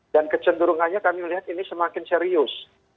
dan kecenderungannya kami melihat ini semakin serius